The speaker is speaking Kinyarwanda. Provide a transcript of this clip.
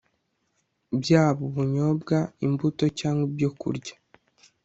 byaba ubunyobwa imbuto cyangwa ibyokurya